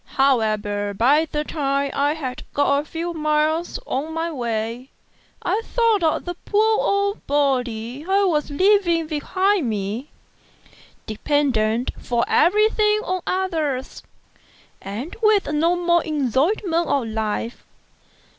However, by the time I had got a few miles on my way, I thought of the poor old body I was leaving behind me, dependent for everything on others, and with no more enjoyment of life.